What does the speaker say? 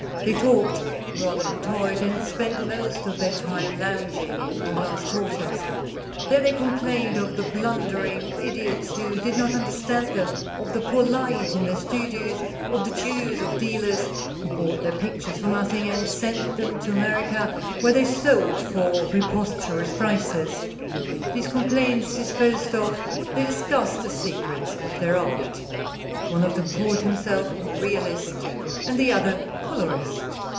They talked rather than toiled, and spent most of their time loung ing in Morin's quarters. There they complained of the blundering idiots who did not understand them, of the poor light in their stu dios, of the Jews of dealers who bought their pictures for nothing, and sent them to America where they sold for preposterous prices. These complaints disposed of, they discussed the secrets of their art. One of them called himself " realist," and the other "colorist."